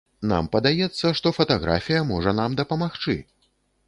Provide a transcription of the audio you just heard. Нам падаецца, што фатаграфія можа нам дапамагчы.